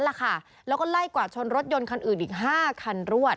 แล้วก็ไล่กวาดชนรถยนต์คันอื่นอีก๕คันรวด